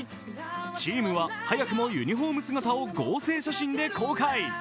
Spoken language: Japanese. チームは早くもユニフォーム姿を合成写真で公開。